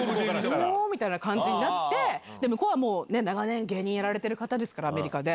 ほぉみたいな感じになって、向こうはもう、長年、芸人やられてる方ですから、アメリカで。